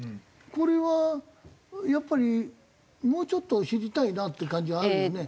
これはやっぱりもうちょっと知りたいなっていう感じはあるよね。